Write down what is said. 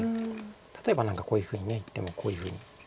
例えば何かこういうふうにこういうふうにやって。